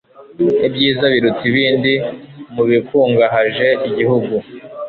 ibyiza biruta ibindi mu bikungahaje igihugu